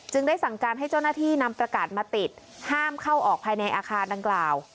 ได้สั่งการให้เจ้าหน้าที่นำประกาศมาติดห้ามเข้าออกภายในอาคารดังกล่าว